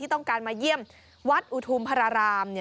ต้องการมาเยี่ยมวัดอุทุมพระราม